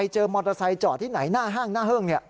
เจอมอเตอร์ไซค์จอดที่ไหนหน้าห้างหน้าห้าง